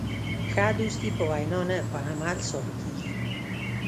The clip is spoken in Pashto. ښه دوستي په وینا نه، په عمل ثابتېږي.